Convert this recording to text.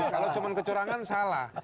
kalau cuma kecurangan salah